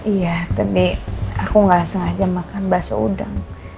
iya tapi aku gak sengaja makan baso udang